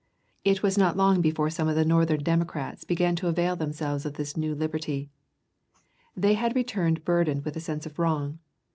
It was not long before some of the Northern Democrats began to avail themselves of this new liberty. They had returned burdened with a sense of wrong.